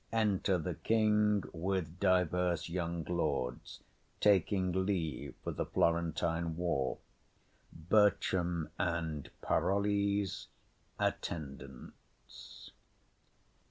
Enter the King with young Lords taking leave for the Florentine war; Bertram, Parolles and Attendants.